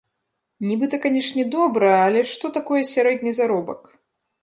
Нібыта, канешне, добра, але што такое сярэдні заробак?